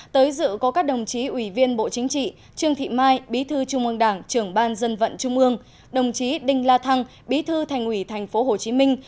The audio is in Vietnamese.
tới dự có các đồng chí ủy viên bộ chính trị trương thị mai bí thư trung ương đảng trưởng ban dân vận trung ương đồng chí đinh la thăng bí thư thành ủy thành phố hồ chí minh